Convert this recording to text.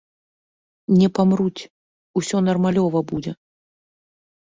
Не памруць, усё нармалёва будзе.